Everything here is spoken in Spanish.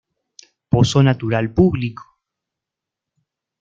Pozo natural público.